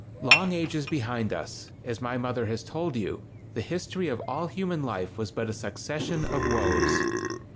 Long ages behind us, as my mother has told you, the history of all human life was but a succession of woes.